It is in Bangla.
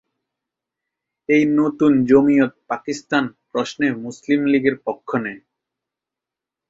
এই নতুন জমিয়ত পাকিস্তান প্রশ্নে মুসলিম লীগের পক্ষ নেয়।